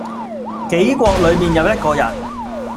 杞國裏面有一個人